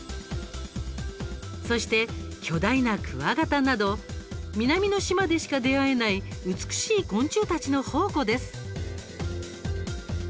そして、巨大なクワガタなど南の島でしか出会えない美しい昆虫たちの宝庫です。